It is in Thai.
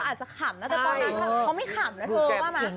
อาจจะขำนะแต่ตอนนั้นเขาไม่ขำนะเธอว่าไหม